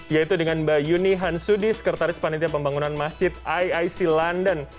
yaitu dengan mbak yuni hansudi sekretaris panitia pembangunan masjid iic london